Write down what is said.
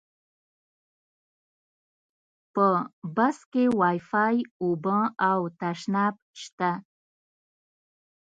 په بس کې وایفای، اوبه او تشناب شته.